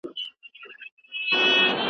ګډونوالو وویل، رنګ تجربه بېساري وه.